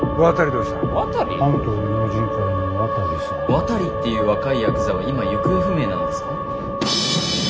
「渡」っていう若いヤクザは今行方不明なんですか？